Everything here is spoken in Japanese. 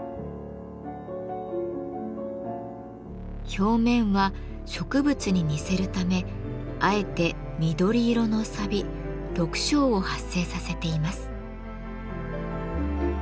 表面は植物に似せるためあえて緑色のさび緑青を発生させています。